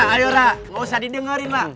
ayo rara gak usah didengerin lah